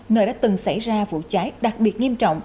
nơi đã từng xảy ra vụ cháy đặc biệt nghiêm trọng